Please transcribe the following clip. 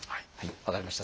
分かりました。